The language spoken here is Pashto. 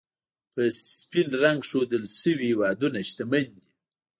په سپین رنګ ښودل شوي هېوادونه، شتمن دي.